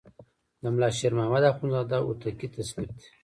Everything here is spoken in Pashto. د ملا شیر محمد اخوندزاده هوتکی تصنیف دی.